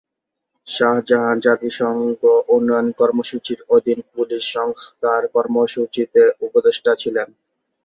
শাহজাহান জাতিসংঘ উন্নয়ন কর্মসূচীর অধীন পুলিশ সংস্কার কর্মসূচিতে উপদেষ্টা ছিলেন।